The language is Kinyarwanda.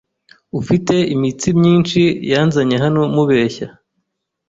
Ufite imitsi myinshi yanzanye hano mubeshya.